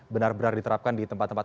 benar benar diterapkan di tempat tempat